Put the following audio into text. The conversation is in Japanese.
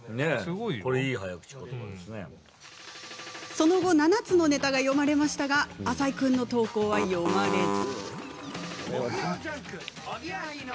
その後７つのネタが読まれましたが浅井君の投稿は読まれず。